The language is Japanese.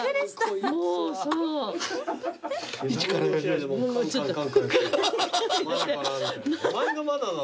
お前がまだだろ。